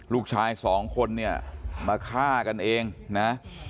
ลูกชายสองคนเนี่ยมาฆ่ากันเองนะ